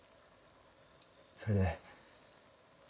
それで。